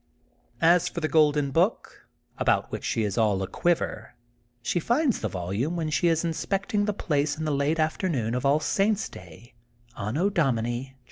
As for the Golden Book about which she is all aquiver, she finds the volume when she is inspecting the place in the late afternoon of All Saint's Day, Anno Domini, 2018.